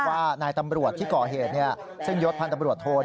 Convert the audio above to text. ว่านายตำรวจที่ก่อเหตุซึ่งยศพันธ์ตำรวจโท